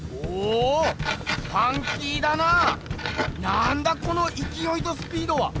なんだこのいきおいとスピードは！